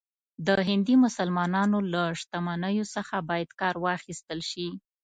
د هندي مسلمانانو له شتمنیو څخه باید کار واخیستل شي.